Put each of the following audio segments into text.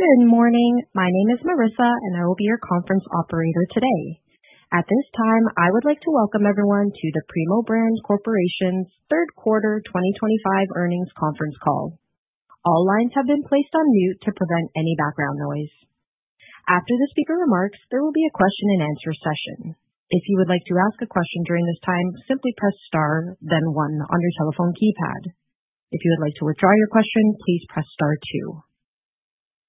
Good morning. My name is Marissa, and I will be your conference operator today. At this time, I would like to welcome everyone to the Primo Brands Corporation's Q3 2025 Earnings Conference Call. All lines have been placed on mute to prevent any background noise. After the speaker remarks, there will be a question-and-answer session. If you would like to ask a question during this time, simply press Star, then 1 on your telephone keypad. If you would like to withdraw your question, please press star 2.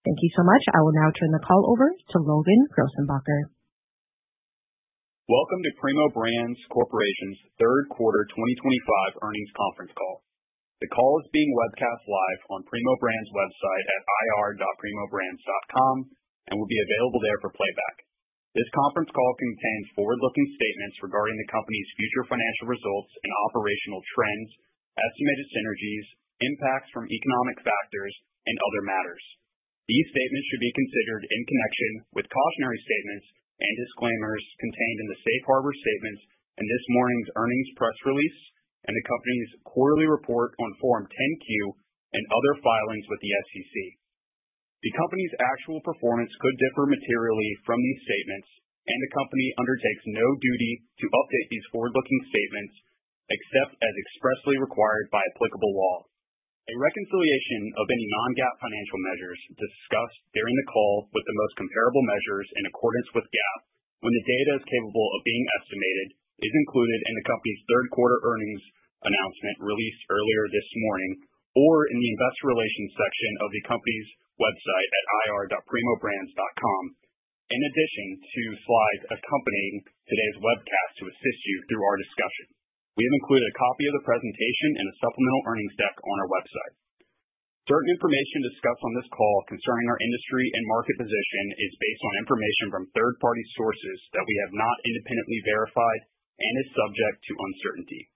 Thank you so much. I will now turn the call over to Logan Grosenbacher. Welcome to Primo Brands Corporation's Q3 2025 Earnings Conference Call. The call is being webcast live on Primo Brands' website at ir.primobrands.com and will be available there for playback. This conference call contains forward-looking statements regarding the company's future financial results and operational trends, estimated synergies, impacts from economic factors, and other matters. These statements should be considered in connection with cautionary statements and disclaimers contained in the Safe Harbor Statements and this morning's earnings press release and the company's quarterly report on Form 10-Q and other filings with the SEC. The company's actual performance could differ materially from these statements, and the company undertakes no duty to update these forward-looking statements except as expressly required by applicable law. A reconciliation of any non-GAAP financial measures discussed during the call with the most comparable measures in accordance with GAAP, when the data is capable of being estimated, is included in the company's Q3 earnings announcement released earlier this morning or in the investor relations section of the company's website at ir.primobrands.com, in addition to slides accompanying today's webcast to assist you through our discussion. We have included a copy of the presentation and a supplemental earnings deck on our website. Certain information discussed on this call concerning our industry and market position is based on information from third-party sources that we have not independently verified and is subject to uncertainty.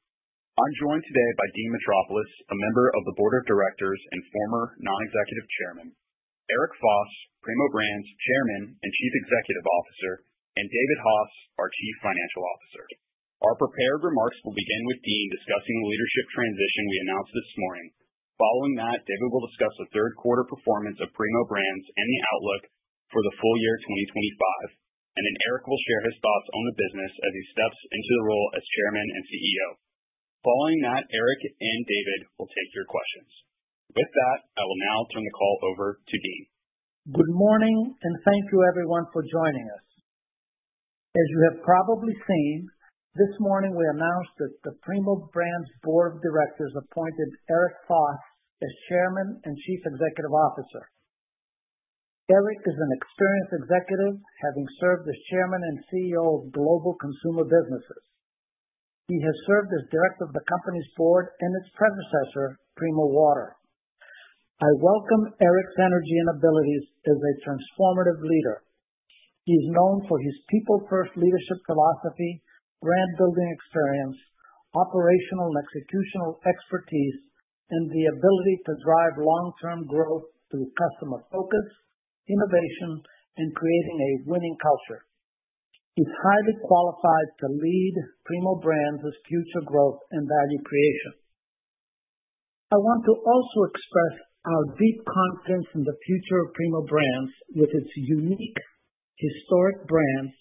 I'm joined today by Dean Metropoulos, a member of the Board of Directors and former non-executive Chairman, Eric Foss, Primo Brands' Chairman and Chief Executive Officer, and David Hass, our Chief Financial Officer. Our prepared remarks will begin with Dean discussing the leadership transition we announced this morning. Following that, David will discuss the Q3 performance of Primo Brands and the outlook for the full year 2025, and then Eric will share his thoughts on the business as he steps into the role as Chairman and CEO. Following that, Eric and David will take your questions. With that, I will now turn the call over to Dean. Good morning, and thank you, everyone, for joining us. As you have probably seen, this morning we announced that the Primo Brands Board of Directors appointed Eric Foss as Chairman and Chief Executive Officer. Eric is an experienced executive, having served as Chairman and CEO of Global Consumer Businesses. He has served as Director of the company's board and its predecessor, Primo Water. I welcome Eric's energy and abilities as a transformative leader. He's known for his people-first leadership philosophy, brand-building experience, operational and executional expertise, and the ability to drive long-term growth through customer focus, innovation, and creating a winning culture. He's highly qualified to lead Primo Brands' future growth and value creation. I want to also express our deep confidence in the future of Primo Brands with its unique, historic brand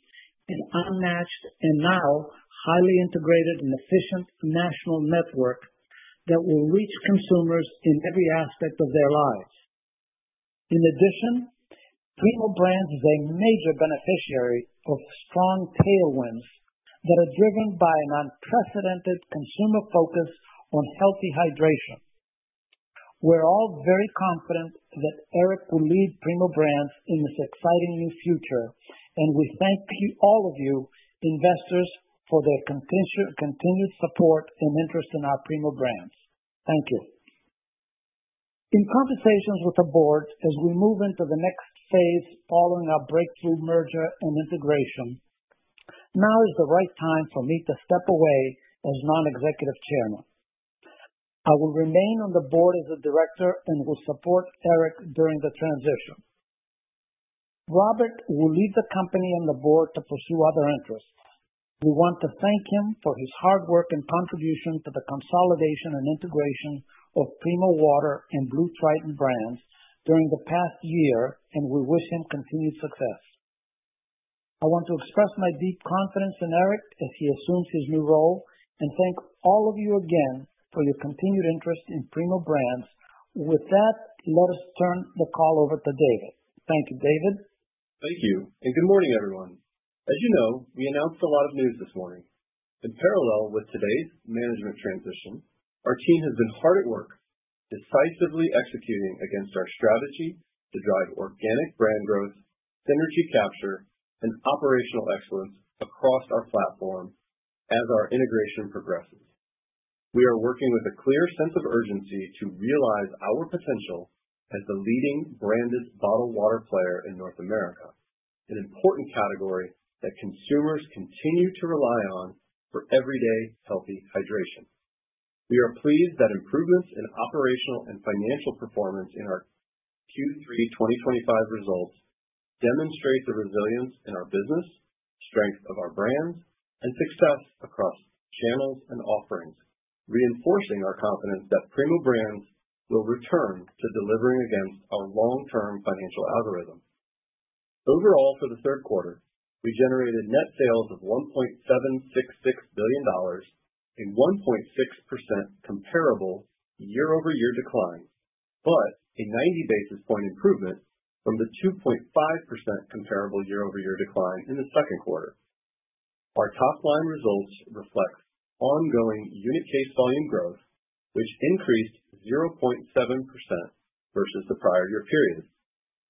and unmatched, and now highly integrated and efficient national network that will reach consumers in every aspect of their lives. In addition, Primo Brands is a major beneficiary of strong tailwinds that are driven by an unprecedented consumer focus on healthy hydration. We're all very confident that Eric will lead Primo Brands in this exciting new future, and we thank all of you investors for their continued support and interest in our Primo Brands. Thank you. In conversations with the board, as we move into the next phase following our breakthrough merger and integration, now is the right time for me to step away as non-executive chairman. I will remain on the board as a director and will support Eric during the transition. Robbert will leave the company and the board to pursue other interests. We want to thank him for his hard work and contribution to the consolidation and integration of Primo Water and BlueTriton Brands during the past year, and we wish him continued success. I want to express my deep confidence in Eric as he assumes his new role and thank all of you again for your continued interest in Primo Brands. With that, let us turn the call over to David. Thank you, David. Thank you, and good morning, everyone. As you know, we announced a lot of news this morning. In parallel with today's management transition, our team has been hard at work, decisively executing against our strategy to drive organic brand growth, synergy capture, and operational excellence across our platform as our integration progresses. We are working with a clear sense of urgency to realize our potential as the leading branded bottled water player in North America, an important category that consumers continue to rely on for everyday healthy hydration. We are pleased that improvements in operational and financial performance in our Q3 2025 results demonstrate the resilience in our business, strength of our brands, and success across channels and offerings, reinforcing our confidence that Primo Brands will return to delivering against our long-term financial algorithm. Overall, for the Q3, we generated net sales of $1.766 billion, a 1.6% comparable year-over-year decline, but a 90 basis points improvement from the 2.5% comparable year-over-year decline in the Q2. Our top-line results reflect ongoing unit case volume growth, which increased 0.7% versus the prior year period,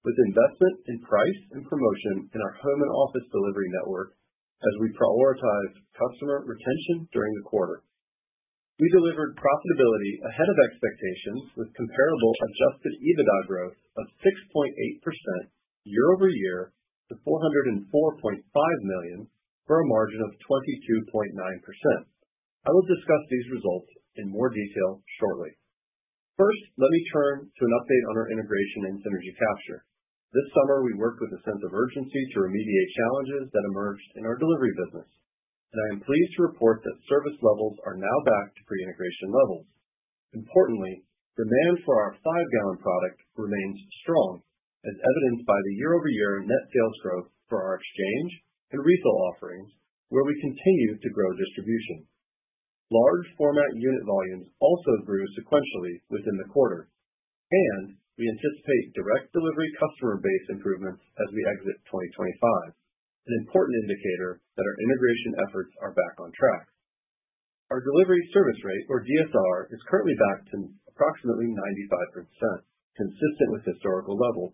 with investment in price and promotion in our home and office delivery network as we prioritized customer retention during the quarter. We delivered profitability ahead of expectations with comparable Adjusted EBITDA growth of 6.8% year-over-year to $404.5 million for a margin of 22.9%. I will discuss these results in more detail shortly. First, let me turn to an update on our integration and synergy capture. This summer, we worked with a sense of urgency to remediate challenges that emerged in our delivery business, and I am pleased to report that service levels are now back to pre-integration levels. Importantly, demand for our five-gallon product remains strong, as evidenced by the year-over-year net sales growth for our Exchange and Resale Offerings, where we continue to grow distribution. Large-format unit volumes also grew sequentially within the quarter, and we anticipate direct delivery customer base improvements as we exit 2025, an important indicator that our integration efforts are back on track. Our delivery service rate, or DSR, is currently back to approximately 95%, consistent with historical levels,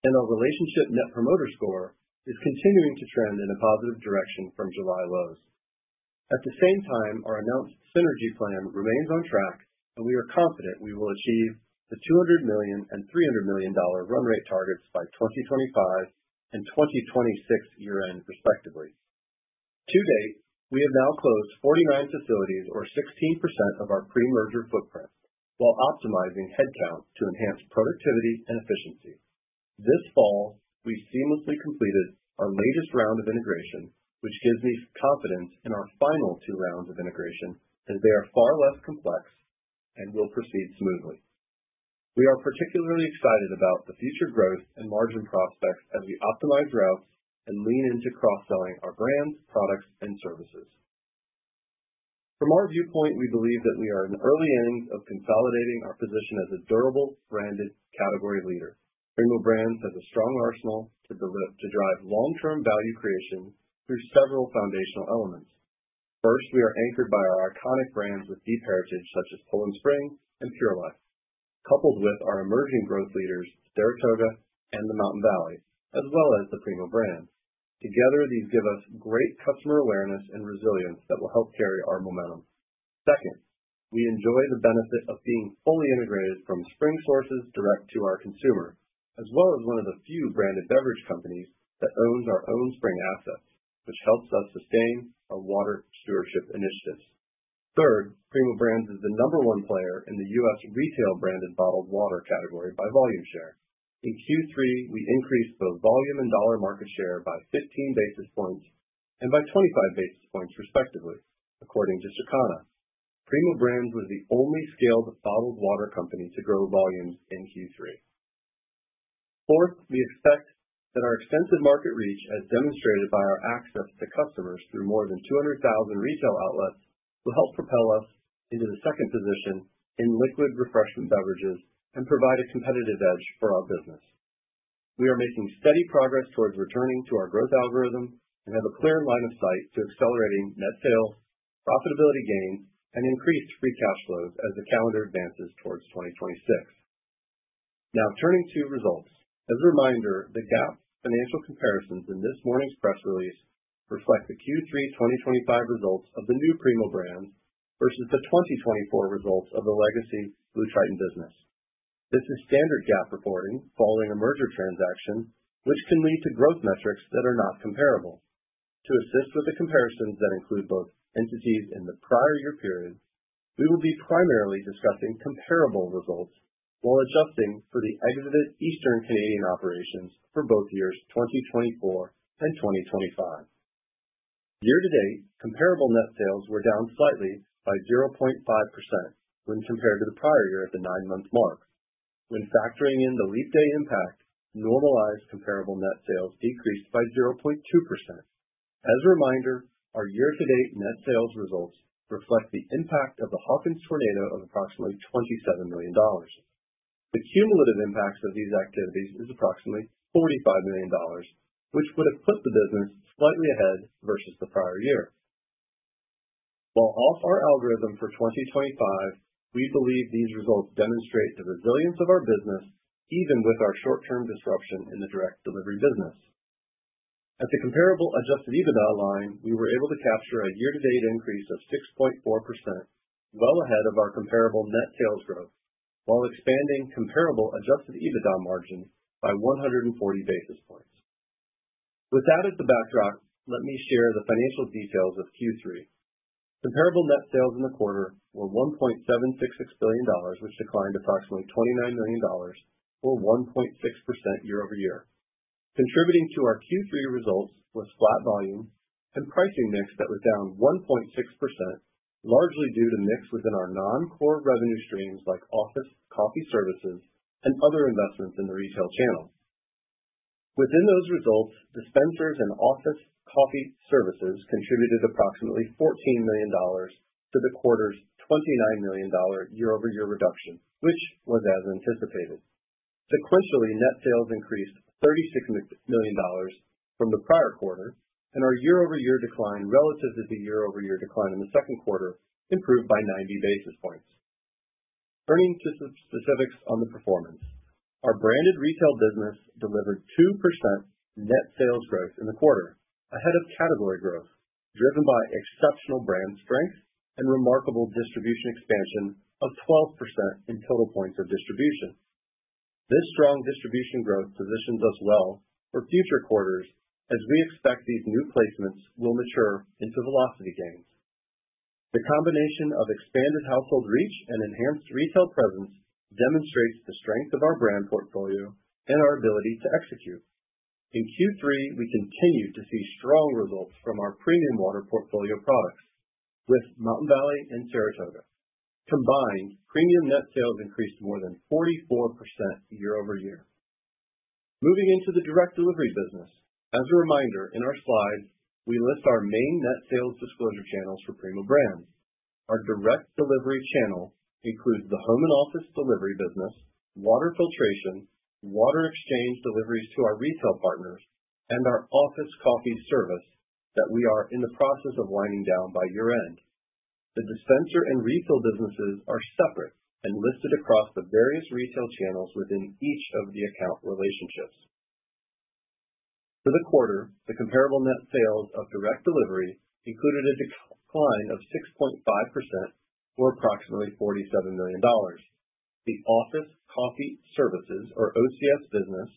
and our relationship Net Promoter Score is continuing to trend in a positive direction from July lows. At the same time, our announced synergy plan remains on track, and we are confident we will achieve the $200 and 300 million run rate targets by 2025 and 2026 year-end, respectively. To date, we have now closed 49 facilities, or 16% of our pre-merger footprint, while optimizing headcount to enhance productivity and efficiency. This fall, we seamlessly completed our latest round of integration, which gives me confidence in our final two rounds of integration, as they are far less complex and will proceed smoothly. We are particularly excited about the future growth and margin prospects as we optimize routes and lean into cross-selling our brands, products, and services. From our viewpoint, we believe that we are in the early innings of consolidating our position as a durable branded category leader. Primo Brands has a strong arsenal to drive long-term value creation through several foundational elements. First, we are anchored by our iconic brands with deep heritage such as Poland Spring and Pure Life, coupled with our emerging growth leaders, Saratoga and the Mountain Valley, as well as the Primo Brands. Together, these give us great customer awareness and resilience that will help carry our momentum. Second, we enjoy the benefit of being fully integrated from spring sources direct to our consumer, as well as one of the few branded beverage companies that owns our own spring assets, which helps us sustain our water stewardship initiatives. Third, Primo Brands is the number one player in the U.S. retail branded bottled water category by volume share. In Q3, we increased both volume and dollar market share by 15 basis points and by 25 basis points, respectively, according to Circana. Primo Brands was the only scaled bottled water company to grow volumes in Q3. Fourth, we expect that our extensive market reach, as demonstrated by our access to customers through more than 200,000 retail outlets, will help propel us into the second position in liquid refreshment beverages and provide a competitive edge for our business. We are making steady progress towards returning to our growth algorithm and have a clear line of sight to accelerating net sales, profitability gains, and increased free cash flows as the calendar advances towards 2026. Now, turning to results. As a reminder, the GAAP financial comparisons in this morning's press release reflect the Q3 2025 results of the new Primo Brands versus the 2024 results of the legacy BlueTriton business. This is standard GAAP reporting following a merger transaction, which can lead to growth metrics that are not comparable. To assist with the comparisons that include both entities in the prior year period, we will be primarily discussing comparable results while adjusting for the exited Eastern Canadian operations for both years 2024 and 2025. Year-to-date, comparable net sales were down slightly by 0.5% when compared to the prior year at the nine-month mark. When factoring in the leap day impact, normalized comparable net sales decreased by 0.2%. As a reminder, our year-to-date net sales results reflect the impact of the Hawkins tornado of approximately $27 million. The cumulative impacts of these activities are approximately $45 million, which would have put the business slightly ahead versus the prior year. While off our algorithm for 2025, we believe these results demonstrate the resilience of our business, even with our short-term disruption in the direct delivery business. At the comparable Adjusted EBITDA line, we were able to capture a year-to-date increase of 6.4%, well ahead of our comparable net sales growth, while expanding comparable Adjusted EBITDA margin by 140 basis points. With that as the backdrop, let me share the financial details of Q3. Comparable net sales in the quarter were $1.766 billion, which declined approximately $29 million, or 1.6% year-over-year. Contributing to our Q3 results was flat volume and pricing mix that was down 1.6%, largely due to mix within our non-core revenue streams like Office Coffee Services, and other investments in the retail channel. Within those results, dispensers and Office Coffee Services contributed approximately $14 million to the quarter's $29 million year-over-year reduction, which was as anticipated. Sequentially, net sales increased $36 million from the prior quarter, and our year-over-year decline relative to the year-over-year decline in the Q2 improved by 90 basis points. Turning to specifics on the performance, our branded retail business delivered 2% net sales growth in the quarter, ahead of category growth, driven by exceptional brand strength and remarkable distribution expansion of 12% in total points of distribution. This strong distribution growth positions us well for future quarters, as we expect these new placements will mature into velocity gains. The combination of expanded household reach and enhanced retail presence demonstrates the strength of our brand portfolio and our ability to execute. In Q3, we continued to see strong results from our premium water portfolio products with Mountain Valley and Saratoga. Combined, premium net sales increased more than 44% year-over-year. Moving into the direct delivery business, as a reminder, in our slides, we list our main net sales disclosure channels for Primo Brands. Our direct delivery channel includes the home and office delivery business, water filtration, Water Exchange deliveries to our retail partners, and our office coffee service that we are in the process of winding down by year-end. The dispenser and Refill businesses are separate and listed across the various retail channels within each of the account relationships. For the quarter, the comparable net sales of direct delivery included a decline of 6.5%, or approximately $47 million. The office coffee services, or OCS business,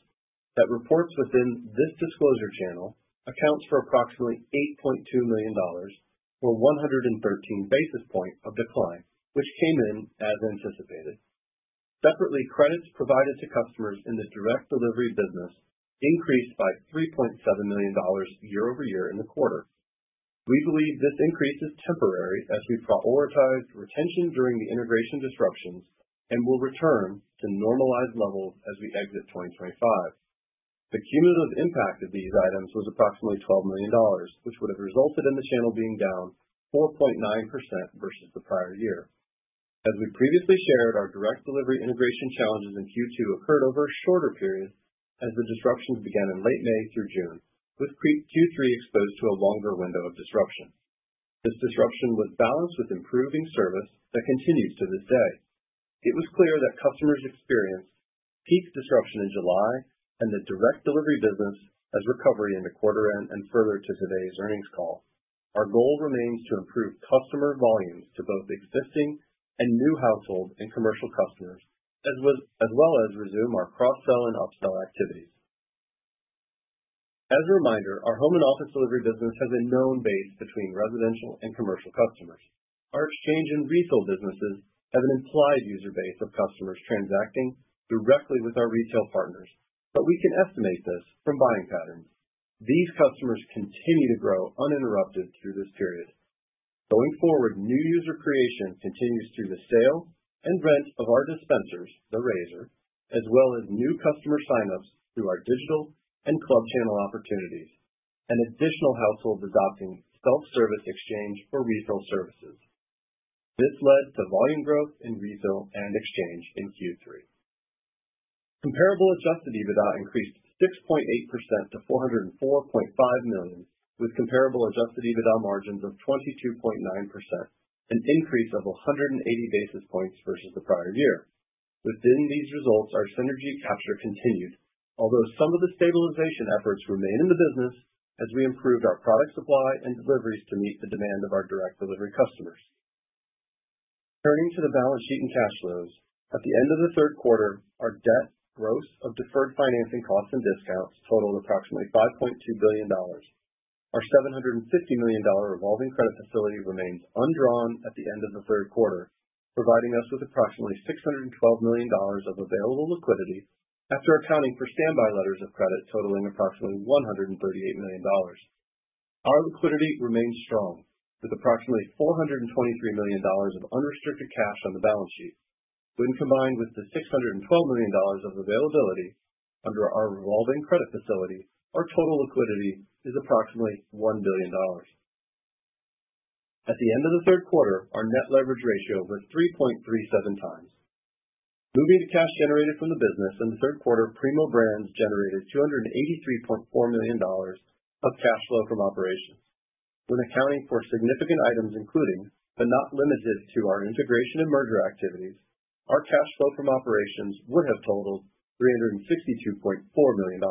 that reports within this distribution channel accounts for approximately $8.2 million, or 113 basis points of decline, which came in as anticipated. Separately, credits provided to customers in the direct delivery business increased by $3.7 million year-over-year in the quarter. We believe this increase is temporary as we prioritized retention during the integration disruptions and will return to normalized levels as we exit 2025. The cumulative impact of these items was approximately $12 million, which would have resulted in the channel being down 4.9% versus the prior year. As we previously shared, our direct delivery integration challenges in Q2 occurred over a shorter period as the disruptions began in late May through June, with Q3 exposed to a longer window of disruption. This disruption was balanced with improving service that continues to this day. It was clear that customers experienced peak disruption in July, and the direct delivery business saw recovery into quarter-end and further to today's earnings call. Our goal remains to improve customer volumes to both existing and new households and commercial customers, as well as resume our cross-sell and upsell activities. As a reminder, our home and office delivery business has a known base between residential and commercial customers. Our exchange and resale businesses have an implied user base of customers transacting directly with our retail partners, but we can estimate this from buying patterns. These customers continue to grow uninterrupted through this period. Going forward, new user creation continues through the sale and rent of our dispensers, the Razer, as well as new customer signups through our digital and club channel opportunities, and additional households adopting self-service exchange or resale services. This led to volume growth in resale and exchange in Q3. Comparable Adjusted EBITDA increased 6.8% to $404.5 million, with comparable Adjusted EBITDA margins of 22.9%, an increase of 180 basis points versus the prior year. Within these results, our synergy capture continued, although some of the stabilization efforts remain in the business as we improved our product supply and deliveries to meet the demand of our direct delivery customers. Turning to the balance sheet and cash flows, at the end of the Q3, our debt gross of deferred financing costs and discounts totaled approximately $5.2 billion. Our $750 million revolving credit facility remains undrawn at the end of the Q3, providing us with approximately $612 million of available liquidity after accounting for standby letters of credit totaling approximately $138 million. Our liquidity remains strong, with approximately $423 million of unrestricted cash on the balance sheet. When combined with the $612 million of availability under our revolving credit facility, our total liquidity is approximately $1 billion. At the end of the Q3, our net leverage ratio was 3.37 times. Moving to cash generated from the business in the Q3, Primo Brands generated $283.4 million of cash flow from operations. When accounting for significant items, including, but not limited to, our integration and merger activities, our cash flow from operations would have totaled $362.4 million.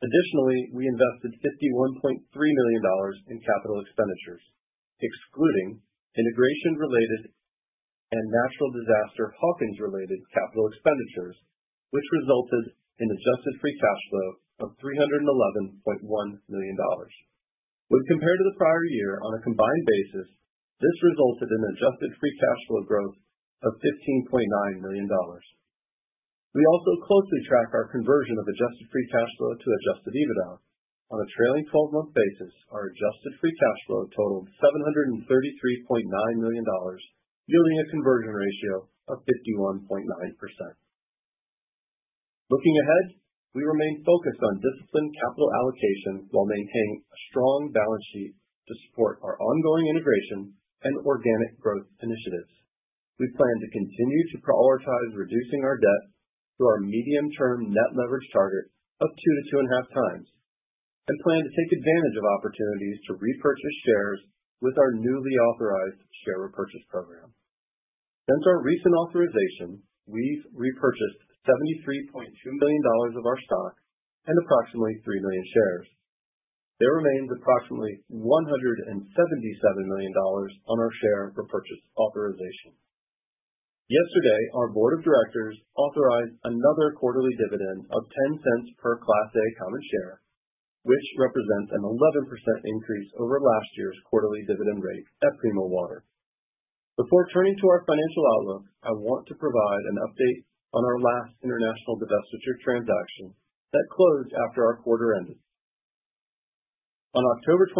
Additionally, we invested $51.3 million in capital expenditures, excluding integration-related and natural disaster Hawkins-related capital expenditures, which resulted in Adjusted Free Cash Flow of $311.1 million. When compared to the prior year on a combined basis, this resulted in Adjusted Free Cash Flow growth of $15.9 million. We also closely track our conversion of Adjusted Free Cash Flow to Adjusted EBITDA. On a trailing 12-month basis, our Adjusted Free Cash Flow totaled $733.9 million, yielding a conversion ratio of 51.9%. Looking ahead, we remain focused on disciplined capital allocation while maintaining a strong balance sheet to support our ongoing integration and organic growth initiatives. We plan to continue to prioritize reducing our debt through our medium-term net leverage target of 2 to 2.5 times and plan to take advantage of opportunities to repurchase shares with our newly authorized share repurchase program. Since our recent authorization, we've repurchased $73.2 million of our stock and approximately three million shares. There remains approximately $177 million on our share repurchase authorization. Yesterday, our board of directors authorized another quarterly dividend of $0.10 per Class A common share, which represents an 11% increase over last year's quarterly dividend rate at Primo Water. Before turning to our financial outlook, I want to provide an update on our last international divestiture transaction that closed after our quarter ended. On October 23,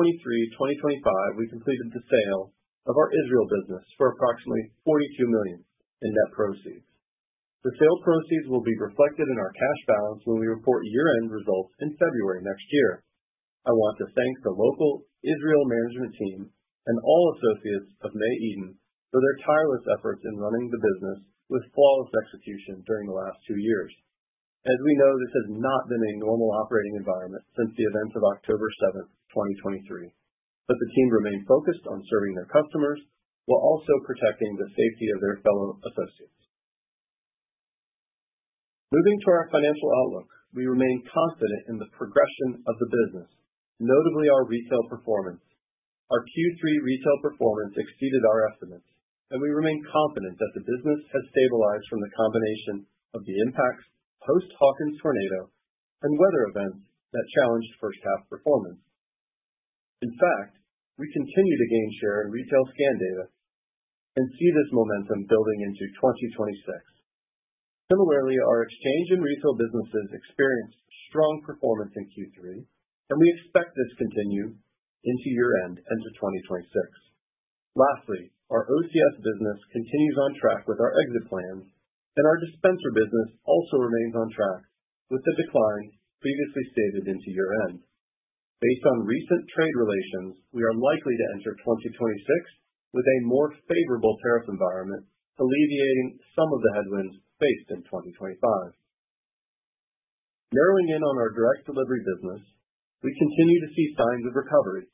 2025, we completed the sale of our Israel business for approximately $42 million in net proceeds. The sale proceeds will be reflected in our cash balance when we report year-end results in February next year. I want to thank the local Israel management team and all associates of Mey Eden for their tireless efforts in running the business with flawless execution during the last two years. As we know, this has not been a normal operating environment since the events of October 7, 2023, but the team remained focused on serving their customers while also protecting the safety of their fellow associates. Moving to our financial outlook, we remain confident in the progression of the business, notably our retail performance. Our Q3 retail performance exceeded our estimates, and we remain confident that the business has stabilized from the combination of the impacts post-Hawkins tornado and weather events that challenged first-half performance. In fact, we continue to gain share in retail scan data and see this momentum building into 2026. Similarly, our exchange and resale businesses experienced strong performance in Q3, and we expect this to continue into year-end and to 2026. Lastly, our OCS business continues on track with our exit plans, and our dispenser business also remains on track with the decline previously stated into year-end. Based on recent trade relations, we are likely to enter 2026 with a more favorable tariff environment, alleviating some of the headwinds faced in 2025. Narrowing in on our direct delivery business, we continue to see signs of recovery.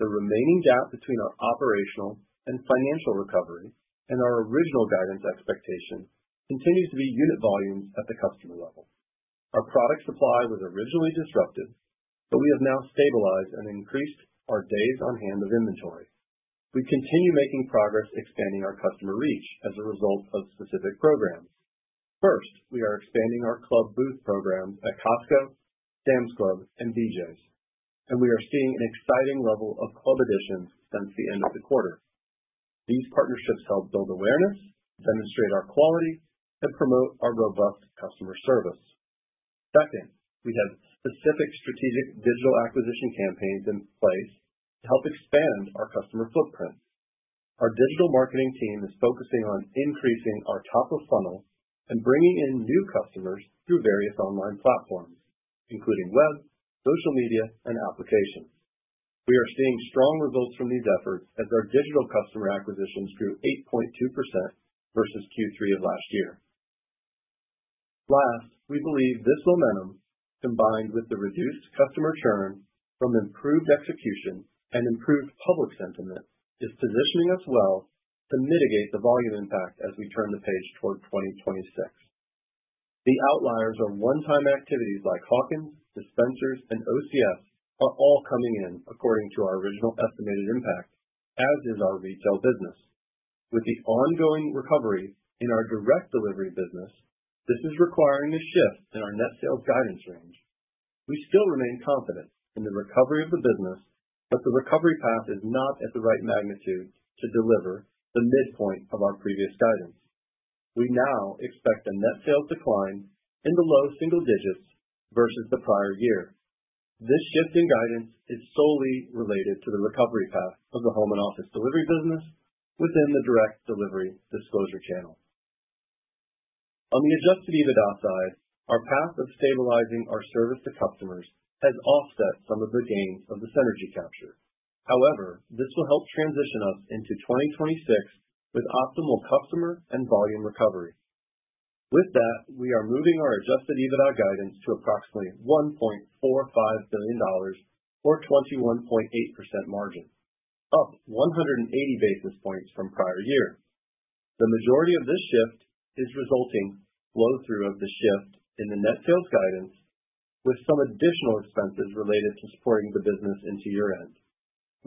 The remaining gap between our operational and financial recovery and our original guidance expectation continues to be unit volumes at the customer level. Our product supply was originally disrupted, but we have now stabilized and increased our days on hand of inventory. We continue making progress expanding our customer reach as a result of specific programs. First, we are expanding our club booth programs at Costco, Sam's Club, and BJ's, and we are seeing an exciting level of club additions since the end of the quarter. These partnerships help build awareness, demonstrate our quality, and promote our robust customer service. Second, we have specific strategic digital acquisition campaigns in place to help expand our customer footprint. Our digital marketing team is focusing on increasing our top-of-funnel and bringing in new customers through various online platforms, including web, social media, and applications. We are seeing strong results from these efforts as our digital customer acquisitions grew 8.2% versus Q3 of last year. Last, we believe this momentum, combined with the reduced customer churn from improved execution and improved public sentiment, is positioning us well to mitigate the volume impact as we turn the page toward 2026. The outliers are one-time activities like Hawkins, dispensers, and OCS, are all coming in according to our original estimated impact, as is our retail business. With the ongoing recovery in our direct delivery business, this is requiring a shift in our net sales guidance range. We still remain confident in the recovery of the business, but the recovery path is not at the right magnitude to deliver the midpoint of our previous guidance. We now expect a net sales decline in the low single digits versus the prior year. This shift in guidance is solely related to the recovery path of the home and office delivery business within the direct delivery disclosure channel. On the Adjusted EBITDA side, our path of stabilizing our service to customers has offset some of the gains of the synergy capture. However, this will help transition us into 2026 with optimal customer and volume recovery. With that, we are moving our Adjusted EBITDA guidance to approximately $1.45 billion, or 21.8% margin, up 180 basis points from prior year. The majority of this shift is resulting in flow-through of the shift in the net sales guidance, with some additional expenses related to supporting the business into year-end.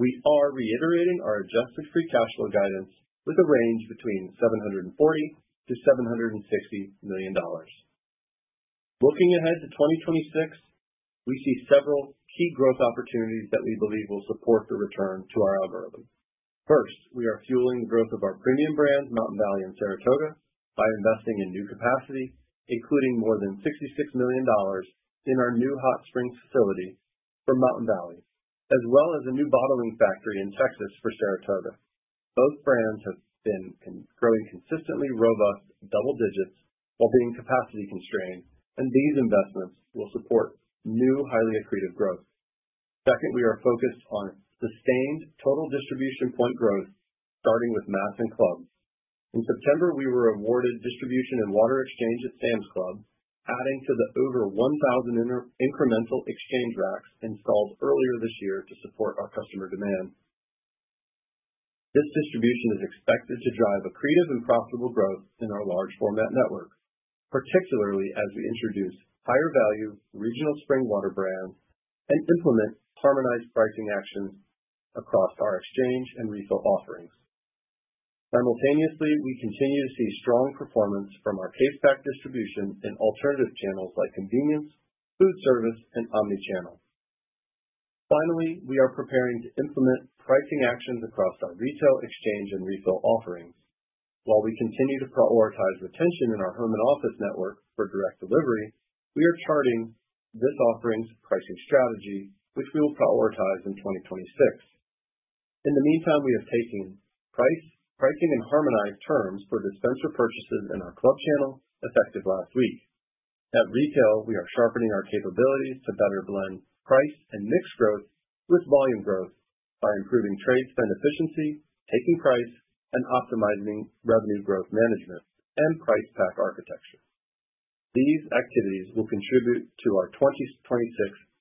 We are reiterating our Adjusted Free Cash Flow guidance with a range between $740 to 760 million. Looking ahead to 2026, we see several key growth opportunities that we believe will support the return to our algorithm. First, we are fueling the growth of our premium brand, Mountain Valley and Saratoga, by investing in new capacity, including more than $66 million in our new Hot Springs facility for Mountain Valley, as well as a new bottling factory in Texas for Saratoga. Both brands have been growing consistently robust double digits while being capacity constrained, and these investments will support new highly accretive growth. Second, we are focused on sustained total distribution point growth, starting with mass and clubs. In September, we were awarded distribution and Water Exchange at Sam's Club, adding to the over 1,000 incremental exchange racks installed earlier this year to support our customer demand. This distribution is expected to drive accretive and profitable growth in our large-format network, particularly as we introduce higher-value regional spring water brands and implement harmonized pricing actions across our Exchange and Resale Offerings. Simultaneously, we continue to see strong performance from our case-packed distribution in alternative channels like convenience, food service, and omnichannel. Finally, we are preparing to implement pricing actions across our retail Exchange and Resale Offerings. While we continue to prioritize retention in our home and office network for direct delivery, we are charting this offering's pricing strategy, which we will prioritize in 2026. In the meantime, we have taken pricing and harmonized terms for dispenser purchases in our club channel effective last week. At retail, we are sharpening our capabilities to better blend price and mix growth with volume growth by improving trade spend efficiency, taking price, and optimizing revenue growth management and price-pack architecture. These activities will contribute to our 2026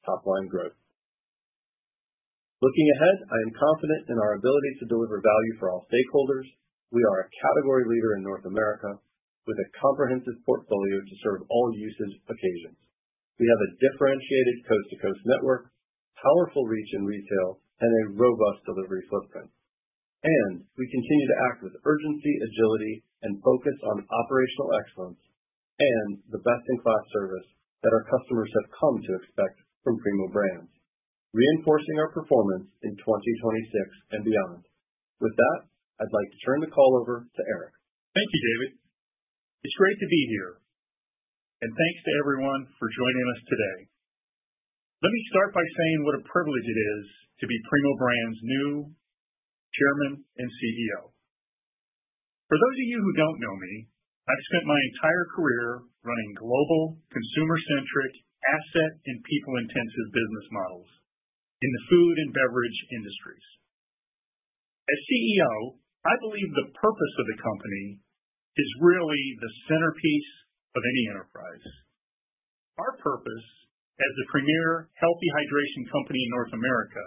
top-line growth. Looking ahead, I am confident in our ability to deliver value for all stakeholders. We are a category leader in North America with a comprehensive portfolio to serve all usage occasions. We have a differentiated coast-to-coast network, powerful reach in retail, and a robust delivery footprint. And we continue to act with urgency, agility, and focus on operational excellence and the best-in-class service that our customers have come to expect from Primo Brands, reinforcing our performance in 2026 and beyond. With that, I'd like to turn the call over to Eric. Thank you, David. It's great to be here, and thanks to everyone for joining us today. Let me start by saying what a privilege it is to be Primo Brands' new Chairman and CEO. For those of you who don't know me, I've spent my entire career running global, consumer-centric, asset- and people-intensive business models in the food and beverage industries. As CEO, I believe the purpose of the company is really the centerpiece of any enterprise. Our purpose as the premier healthy hydration company in North America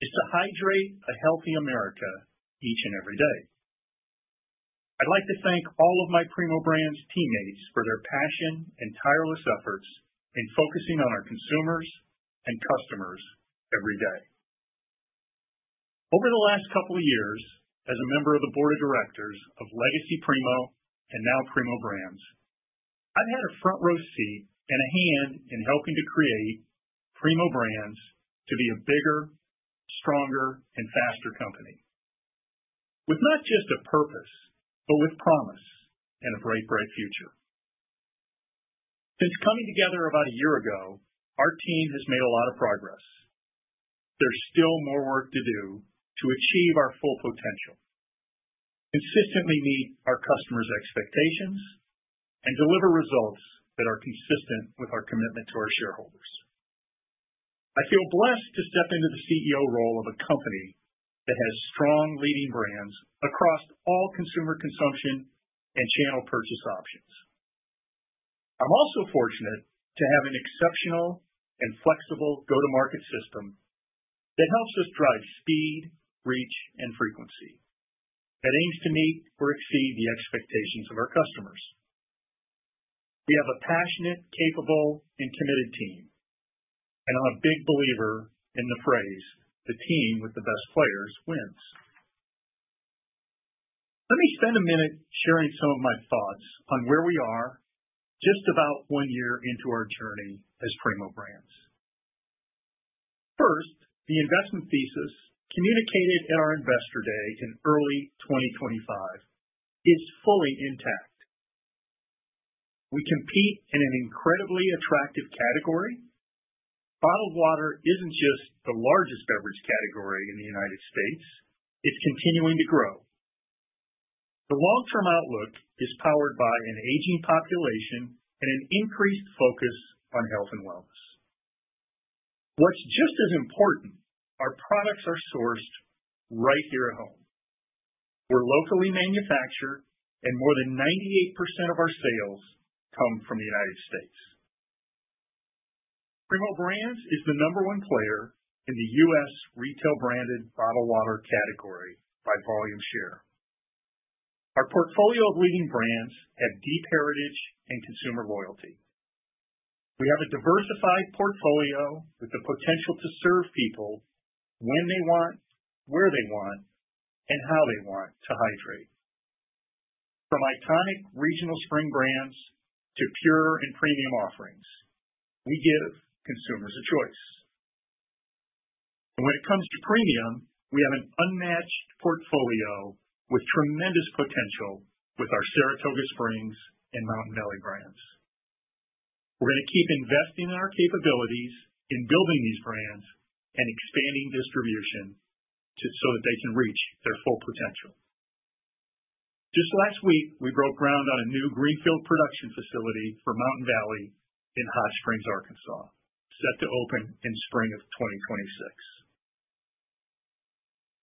is to hydrate a healthy America each and every day. I'd like to thank all of my Primo Brands teammates for their passion and tireless efforts in focusing on our consumers and customers every day. Over the last couple of years, as a member of the board of directors of Legacy Primo and now Primo Brands, I've had a front-row seat and a hand in helping to create Primo Brands to be a bigger, stronger, and faster company, with not just a purpose, but with promise and a bright, bright future. Since coming together about a year ago, our team has made a lot of progress. There's still more work to do to achieve our full potential, consistently meet our customers' expectations, and deliver results that are consistent with our commitment to our shareholders. I feel blessed to step into the CEO role of a company that has strong leading brands across all consumer consumption and channel purchase options. I'm also fortunate to have an exceptional and flexible go-to-market system that helps us drive speed, reach, and frequency that aims to meet or exceed the expectations of our customers. We have a passionate, capable, and committed team, and I'm a big believer in the phrase, "The team with the best players wins." Let me spend a minute sharing some of my thoughts on where we are just about one year into our journey as Primo Brands. First, the investment thesis communicated at our investor day in early 2025 is fully intact. We compete in an incredibly attractive category. Bottled water isn't just the largest beverage category in the United States. It's continuing to grow. The long-term outlook is powered by an aging population and an increased focus on health and wellness. What's just as important is that our products are sourced right here at home. We're locally manufactured, and more than 98% of our sales come from the United States. Primo Brands is the number one player in the U.S. retail-branded bottled water category by volume share. Our portfolio of leading brands has deep heritage and consumer loyalty. We have a diversified portfolio with the potential to serve people when they want, where they want, and how they want to hydrate. From iconic regional spring brands to pure and premium offerings, we give consumers a choice. When it comes to premium, we have an unmatched portfolio with tremendous potential with our Saratoga Springs and Mountain Valley brands. We're going to keep investing in our capabilities in building these brands and expanding distribution so that they can reach their full potential. Just last week, we broke ground on a new greenfield production facility for Mountain Valley in Hot Springs, Arkansas, set to open in spring of 2026.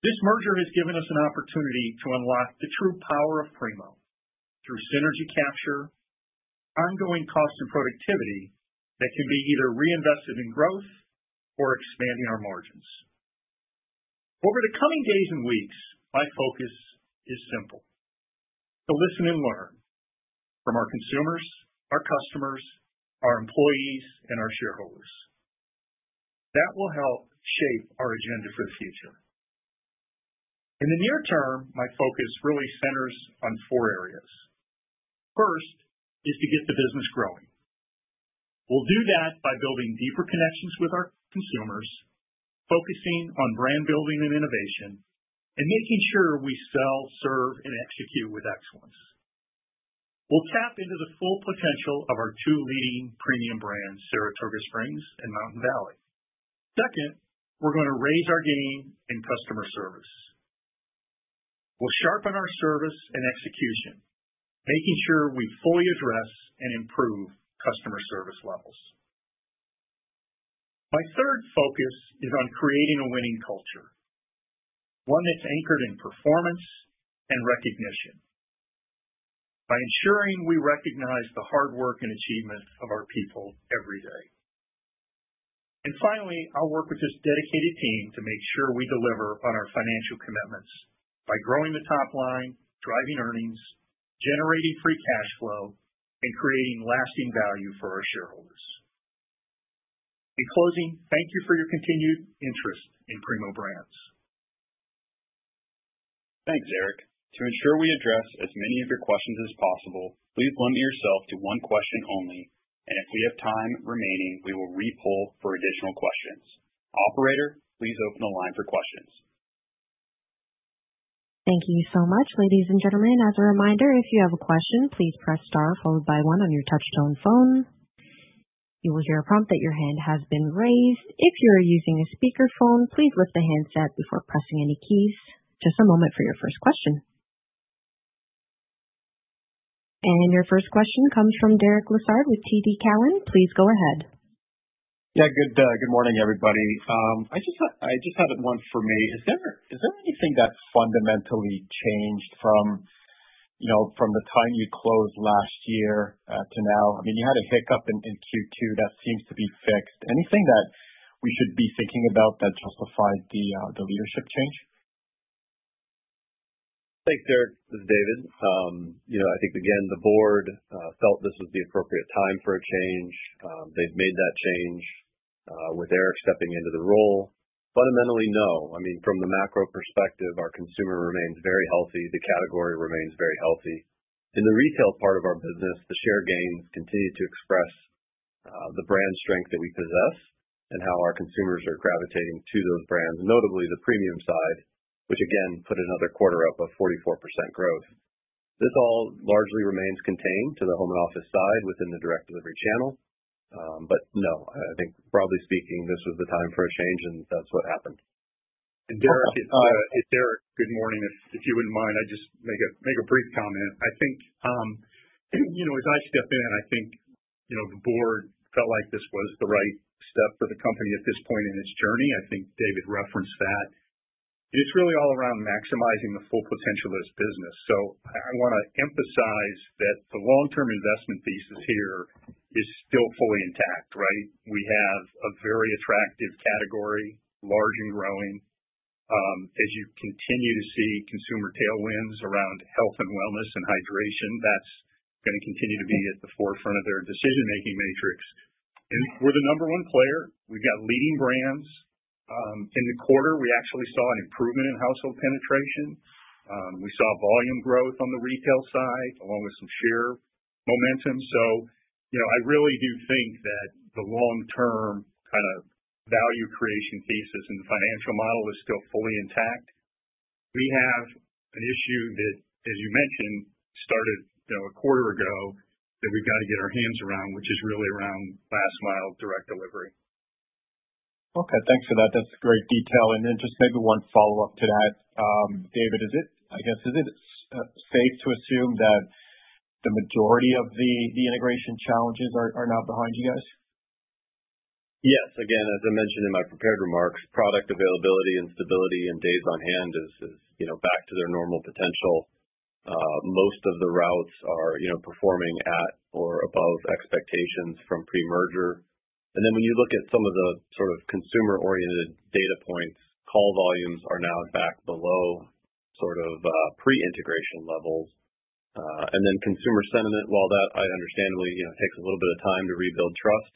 This merger has given us an opportunity to unlock the true power of Primo through synergy capture, ongoing cost and productivity that can be either reinvested in growth or expanding our margins. Over the coming days and weeks, my focus is simple: to listen and learn from our consumers, our customers, our employees, and our shareholders. That will help shape our agenda for the future. In the near term, my focus really centers on four areas. First is to get the business growing. We'll do that by building deeper connections with our consumers, focusing on brand building and innovation, and making sure we sell, serve, and execute with excellence. We'll tap into the full potential of our two leading premium brands, Saratoga and Mountain Valley. Second, we're going to raise our game in customer service. We'll sharpen our service and execution, making sure we fully address and improve customer service levels. My third focus is on creating a winning culture, one that's anchored in performance and recognition, by ensuring we recognize the hard work and achievements of our people every day. And finally, I'll work with this dedicated team to make sure we deliver on our financial commitments by growing the top line, driving earnings, generating free cash flow, and creating lasting value for our shareholders. In closing, thank you for your continued interest in Primo Brands. Thanks, Eric. To ensure we address as many of your questions as possible, please limit yourself to one question only, and if we have time remaining, we will re-poll for additional questions. Operator, please open the line for questions. Thank you so much, ladies and gentlemen. As a reminder, if you have a question, please press star followed by one on your touch-tone phone. You will hear a prompt that your hand has been raised. If you are using a speakerphone, please lift the handset before pressing any keys. Just a moment for your first question. Your first question comes from Derek Lessard with TD Cowen. Please go ahead. Yeah, good morning, everybody. I just had one for me. Is there anything that fundamentally changed from the time you closed last year to now? I mean, you had a hiccup in Q2 that seems to be fixed. Anything that we should be thinking about that justified the leadership change? Thanks, Derek. This is David. I think, again, the board felt this was the appropriate time for a change. They've made that change with Eric stepping into the role. Fundamentally, no. I mean, from the macro perspective, our consumer remains very healthy. The category remains very healthy. In the retail part of our business, the share gains continue to express the brand strength that we possess and how our consumers are gravitating to those brands, notably the premium side, which, again, put another quarter up of 44% growth. This all largely remains contained to the home and office side within the direct delivery channel. But no, I think, broadly speaking, this was the time for a change, and that's what happened. And Derek, Good morning. If you wouldn't mind, I'd just make a brief comment. I think, as I step in, I think the board felt like this was the right step for the company at this point in its journey. I think David referenced that. It's really all around maximizing the full potential of this business. So I want to emphasize that the long-term investment thesis here is still fully intact, right? We have a very attractive category, large and growing. As you continue to see consumer tailwinds around health and wellness and hydration, that's going to continue to be at the forefront of their decision-making matrix. And we're the number one player. We've got leading brands. In the quarter, we actually saw an improvement in household penetration. We saw volume growth on the retail side along with some share momentum. So I really do think that the long-term kind of value creation thesis in the financial model is still fully intact. We have an issue that, as you mentioned, started a quarter ago that we've got to get our hands around, which is really around last-mile direct delivery. Okay. Thanks for that. That's great detail. And then just maybe one follow-up to that. David, I guess, is it safe to assume that the majority of the integration challenges are now behind you guys? Yes. Again, as I mentioned in my prepared remarks, product availability and stability and days on hand is back to their normal potential. Most of the routes are performing at or above expectations from pre-merger. And then when you look at some of the sort of consumer-oriented data points, call volumes are now back below sort of pre-integration levels. And then consumer sentiment, while that, I understandably, takes a little bit of time to rebuild trust,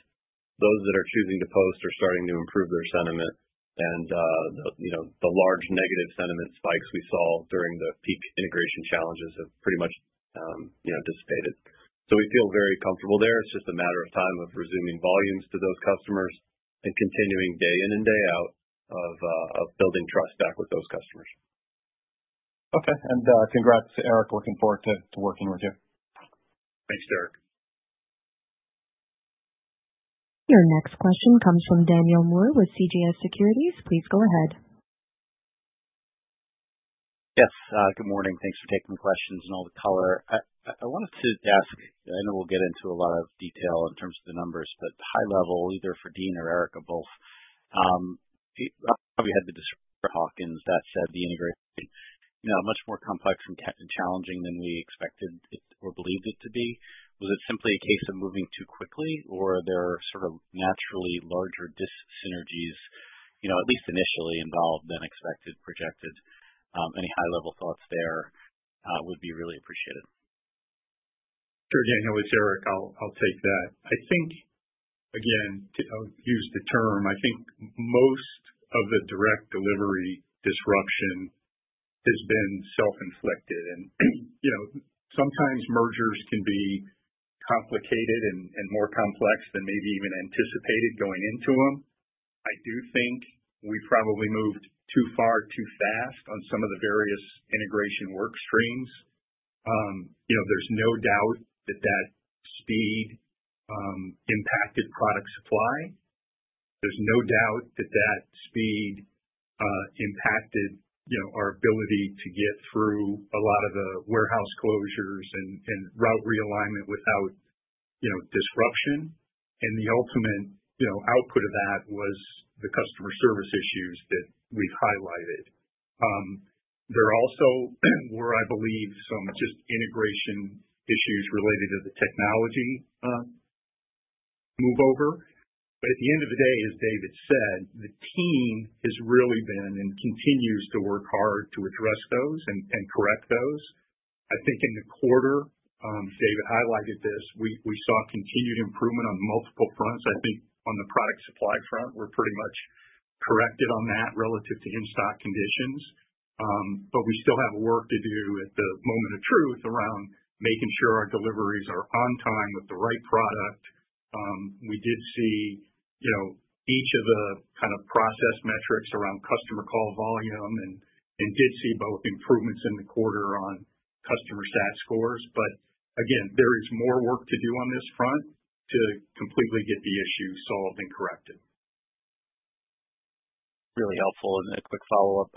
those that are choosing to post are starting to improve their sentiment. And the large negative sentiment spikes we saw during the peak integration challenges have pretty much dissipated. So we feel very comfortable there. It's just a matter of time of resuming volumes to those customers and continuing day in and day out of building trust back with those customers. Okay. And congrats, Eric. Looking forward to working with you. Thanks, Derek. Your next question comes from Daniel Moore with CJS Securities. Please go ahead. Yes. Good morning. Thanks for taking the questions and all the color. I wanted to ask. I know we'll get into a lot of detail in terms of the numbers, but high level, either for Dean or Eric or both, we had the disruption in Hawkins that said the integration is much more complex and challenging than we expected or believed it to be. Was it simply a case of moving too quickly, or are there sort of naturally larger dis-synergies, at least initially, involved than expected, projected? Any high-level thoughts there would be really appreciated. Sure. Daniel, it's Eric. I'll take that. I think, again, I'll use the term. I think most of the direct delivery disruption has been self-inflicted. Sometimes mergers can be complicated and more complex than maybe even anticipated going into them. I do think we probably moved too far, too fast on some of the various integration work streams. There's no doubt that that speed impacted product supply. There's no doubt that that speed impacted our ability to get through a lot of the warehouse closures and route realignment without disruption, and the ultimate output of that was the customer service issues that we've highlighted. There also were, I believe, some just integration issues related to the technology move over, but at the end of the day, as David said, the team has really been and continues to work hard to address those and correct those. I think in the quarter, as David highlighted this, we saw continued improvement on multiple fronts. I think on the product supply front, we're pretty much corrected on that relative to in-stock conditions, but we still have work to do at the moment of truth around making sure our deliveries are on time with the right product. We did see each of the kind of process metrics around customer call volume, and did see both improvements in the quarter on customer sat scores. But again, there is more work to do on this front to completely get the issue solved and corrected. Really helpful, and a quick follow-up.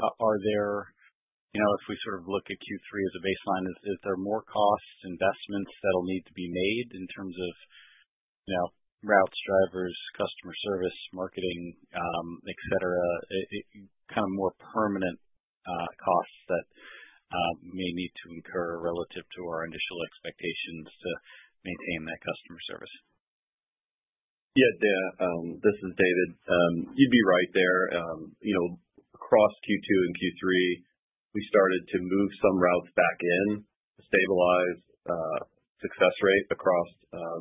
If we sort of look at Q3 as a baseline, is there more costs, investments that will need to be made in terms of routes, drivers, customer service, marketing, etc., kind of more permanent costs that may need to incur relative to our initial expectations to maintain that customer service? Yeah, this is David. You'd be right there. Across Q2 and Q3, we started to move some routes back in to stabilize success rate across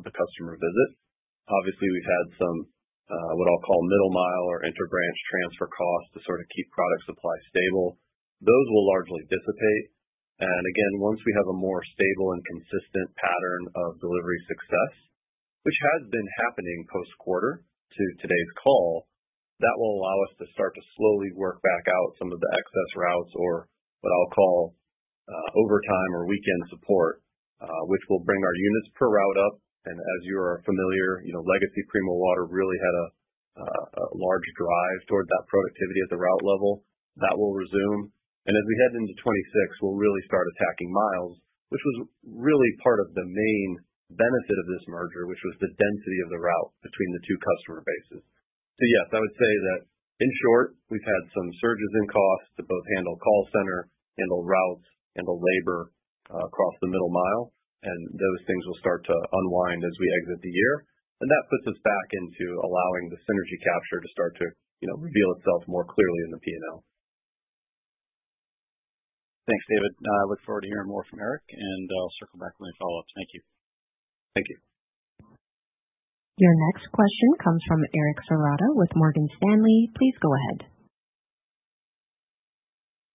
the customer visit. Obviously, we've had some what I'll call middle-mile or inter-branch transfer costs to sort of keep product supply stable. Those will largely dissipate. And again, once we have a more stable and consistent pattern of delivery success, which has been happening post-quarter to today's call, that will allow us to start to slowly work back out some of the excess routes or what I'll call overtime or weekend support, which will bring our units per route up. And as you are familiar, legacy Primo Water really had a large drive toward that productivity at the route level. That will resume. And as we head into 2026, we'll really start attacking miles, which was really part of the main benefit of this merger, which was the density of the route between the two customer bases. So yes, I would say that in short, we've had some surges in costs to both handle call center, handle routes, handle labor across the middle mile. And those things will start to unwind as we exit the year. And that puts us back into allowing the synergy capture to start to reveal itself more clearly in the P&L. Thanks, David. I look forward to hearing more from Eric, and I'll circle back with any follow-ups. Thank you. Thank you. Your next question comes from Eric Serotta with Morgan Stanley. Please go ahead.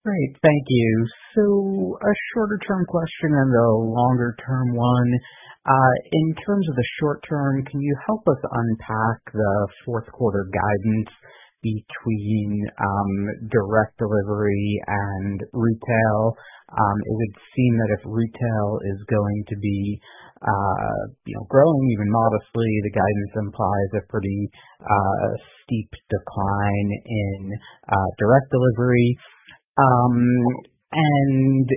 Great. Thank you. So a shorter-term question and a longer-term one. In terms of the short term, can you help us unpack the fourth-quarter guidance between direct delivery and retail? It would seem that if retail is going to be growing, even modestly, the guidance implies a pretty steep decline in direct delivery. And